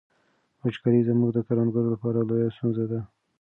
وچکالي زموږ د کروندګرو لپاره لویه ستونزه ده.